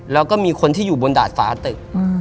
แล้วก็มีคนที่อยู่บนดาดฟ้าตึก